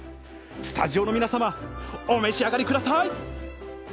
スタジオの皆様、お召し上がりください！